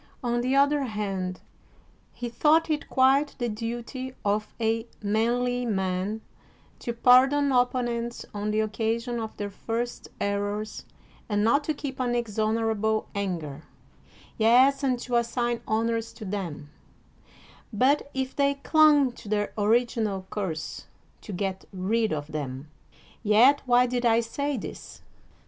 On the other hand, he thought it quite the duty of a manly man to pardon opponents on the oc casion of their first errors and not to keep an inexorable anger; yes, and to assign honors to them, but if they clung to their original course, to get rid of them. Yet why did I say this?